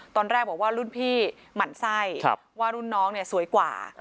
ตอนแรกบอกว่ารุ่นพี่หมั่นไส้ว่ารุ่นน้องเนี่ยสวยกว่า